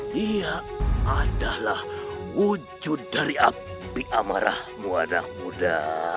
dia adalah wujud dari api amarah muadakuda